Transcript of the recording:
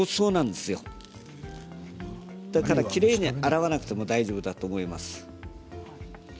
ですから、きれいに洗わなくて大丈夫だと思います。